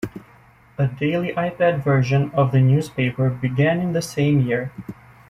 A daily iPad version of the newspaper began in the same year.